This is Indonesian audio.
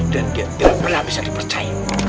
dan dia tidak pernah bisa dipercaya